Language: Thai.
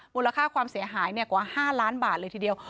มูลค่าความเสียหายกว่า๕ล้านบาทเลยทีเดียว